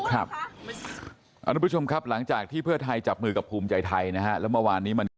ครับอนุผู้ชมครับหลังจากที่เพื่อไทยจับมือกับภูมิใจไทยนะฮะ